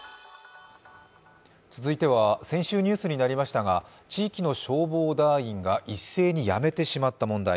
続いては、先週ニュースになりましたが地域の消防団員が一斉に辞めてしまった問題。